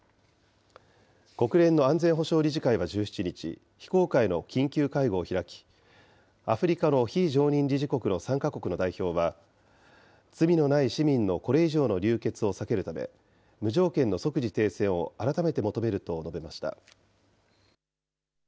国連の安全保障理事会は１７日、非公開の緊急会合を開き、アフリカの非常任理事国の３か国の代表は、罪のない市民のこれ以上の流血を避けるため、無条件の即時停戦を改めて求めると述べました。